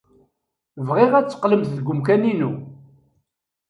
Bɣiɣ ad d-teqqlemt deg umkan-inu.